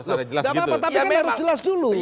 nggak apa apa tapi kan harus jelas dulu